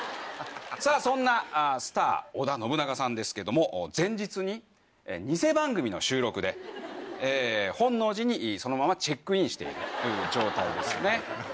さぁそんなスター織田信長さんですけども前日にニセ番組の収録で本能寺にそのままチェックインしている状態ですね。